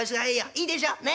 いいでしょ？ね？